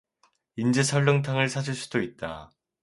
인제 설렁탕을 사줄 수도 있다.